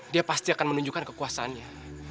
dia pasti akan menunjukkan kekuasaannya